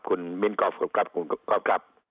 คุณบิร์นก็อฟขอบคุณครับ